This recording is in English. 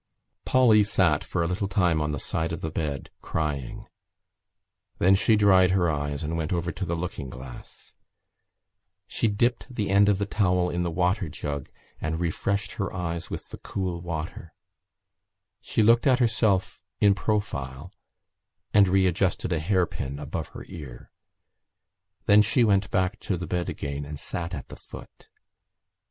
Polly sat for a little time on the side of the bed, crying. Then she dried her eyes and went over to the looking glass. She dipped the end of the towel in the water jug and refreshed her eyes with the cool water. She looked at herself in profile and readjusted a hairpin above her ear. Then she went back to the bed again and sat at the foot.